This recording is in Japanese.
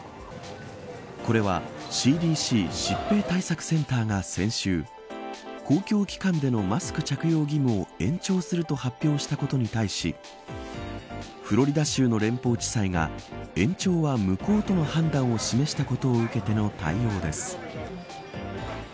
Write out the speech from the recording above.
これはＣＤＣ疾病対策センターが先週、公共機関でのマスク着用義務を延長すると発表したことに対しフロリダ州の連邦地裁が延長は無効との判断を示したことを受けての対応です。